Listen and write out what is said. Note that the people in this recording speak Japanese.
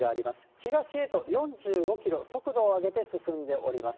東へと４５キロ、速度を上げて進んでおります。